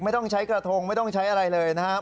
ไม่ต้องใช้กระทงไม่ต้องใช้อะไรเลยนะครับ